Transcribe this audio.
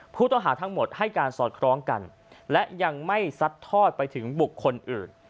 ผู้ต้องหาทั้งหมดให้การสอดคล้องกันและยังไม่ซัดทอดไปถึงบุคคลอื่น